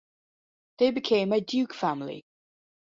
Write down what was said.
They became a Duke family.